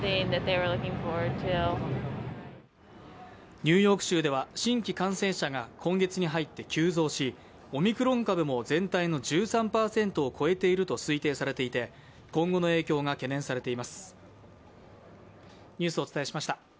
ニューヨーク州では新規感染者が今月に入って急増し、オミクロン株も全体の１３％を超えていると推定されていて今後の影響が懸念されています。